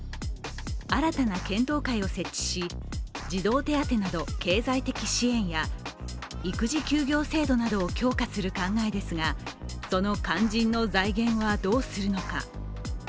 新たな検討会を設置し児童手当など経済的支援や育児休業制度などを強化する考えですがその肝心の財源はどうするのか。